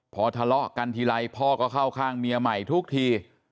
พอทะเลาะกันทีไรพ่อก็เข้าข้างเมียใหม่ทุกที